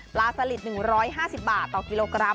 สลิด๑๕๐บาทต่อกิโลกรัม